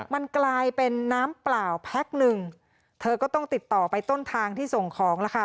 มันกลายเป็นน้ำเปล่าแพ็คหนึ่งเธอก็ต้องติดต่อไปต้นทางที่ส่งของแล้วค่ะ